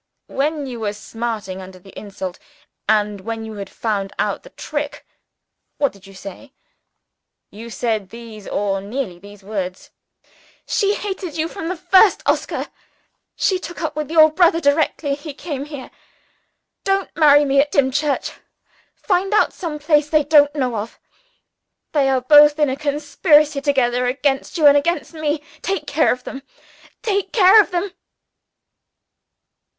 _ When you were smarting under the insult, and when you had found out the trick, what did you say? "You said these or nearly these words: "'She hated you from the first, Oscar she took up with your brother directly he came here. Don't marry me at Dimchurch! Find out some place that they don't know of! They are both in a conspiracy together against you and against me. Take care of them! take care of them!'